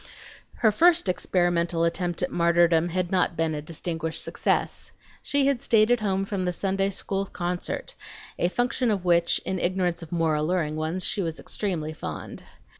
Her first experimental attempt at martyrdom had not been a distinguished success. She had stayed at home from the Sunday school concert, a function of which, in ignorance of more alluring ones, she was extremely fond.